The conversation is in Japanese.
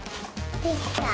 できた！